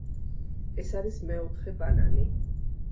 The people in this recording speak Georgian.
ეს არის მეოთხე ბანანი.